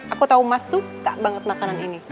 aku tahu mas suka banget makanan ini